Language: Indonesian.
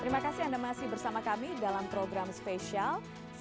terima kasih anda masih bersama kami dalam program spesial